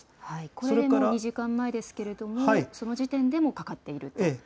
これでもう２時間前ですけれども、その時点でもかかっていると。